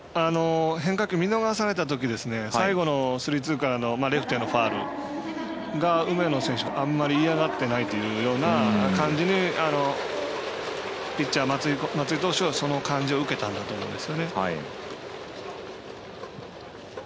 変化球見逃されたときに最後のスリーツーからのレフトへのファウル梅野選手、あんまり嫌がってないというような感じに、ピッチャー松井投手はその感じを受けたんだと思います。